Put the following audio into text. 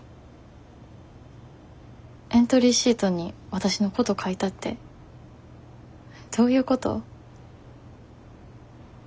エントリーシートにわたしのこと書いたってどういうこと？